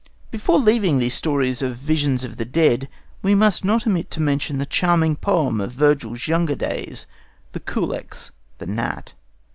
Before leaving these stories of visions of the dead, we must not omit to mention that charming poem of Virgil's younger days, the Culex (The Gnat).